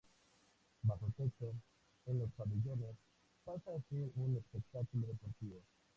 Bajo techo, en los pabellones, pasa a ser un espectáculo deportivo.